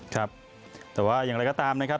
ครับแต่ว่าอย่างไรก็ตามนะครับ